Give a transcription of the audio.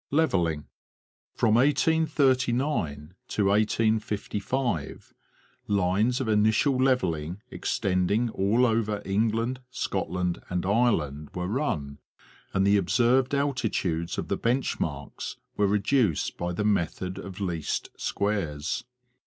LEVELLING. From 1839 to 1855, lines of initial levelling extending all over England, Scotland and Ireland were run, and the observed alti tudes of the bench marks were reduced by the method of least squares.